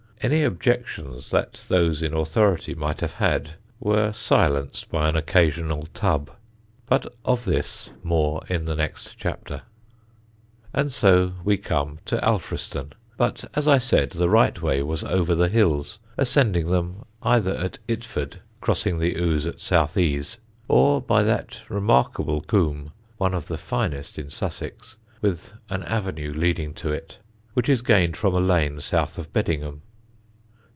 Any objections that those in authority might have had were silenced by an occasional tub. But of this more in the next chapter. [Sidenote: ALFRISTON] And so we come to Alfriston; but, as I said, the right way was over the hills, ascending them either at Itford (crossing the Ouse at Southease) or by that remarkable combe, one of the finest in Sussex, with an avenue leading to it, which is gained from a lane south of Beddingham.